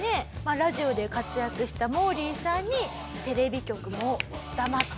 ラジオで活躍したモーリーさんにテレビ局も黙っていません。